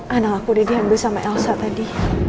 anak aku yang di handle sama elsa tadi